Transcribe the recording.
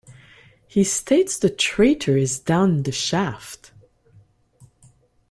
He states the traitor is down the shaft.